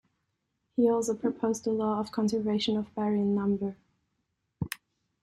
He also proposed the law of conservation of baryon number.